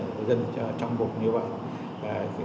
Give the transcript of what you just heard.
người dân trong vùng như vậy